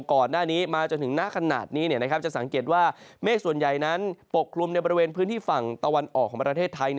ก่อนหน้านี้มาจนถึงหน้าขนาดนี้จะสังเกตว่าเมฆส่วนใหญ่นั้นปกคลุมในบริเวณพื้นที่ฝั่งตะวันออกของประเทศไทย